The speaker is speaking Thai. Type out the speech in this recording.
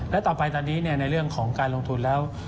และต่อไปตอนนี้ในเรื่องของการลงทุนแล้ว